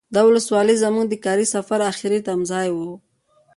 دا ولسوالي زمونږ د کاري سفر اخري تمځای و.